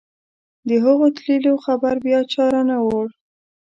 د هغو تللیو خبر بیا چا رانه وړ.